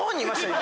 今。